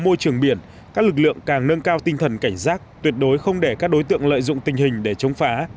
môi trường biển các lực lượng càng nâng cao tinh thần cảnh giác tuyệt đối không để các đối tượng lợi dụng tình hình để chống phá